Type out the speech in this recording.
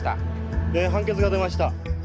判決が出ました。